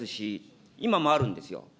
、今もあるんですよ。